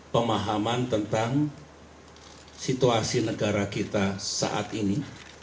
pemahaman tentang situasi negara kita saat ini